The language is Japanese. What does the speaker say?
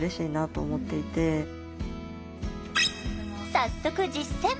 早速実践。